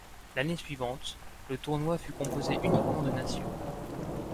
L’année suivante, le tournoi fut composé uniquement de nations.